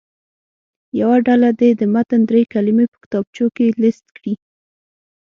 یوه ډله دې د متن دري کلمې په کتابچو کې لیست کړي.